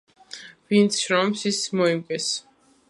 ვინც შრომობს, ის მოიმკის.